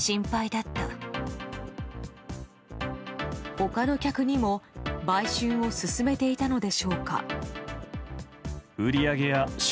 他の客にも売春を勧めていたのでしょうか。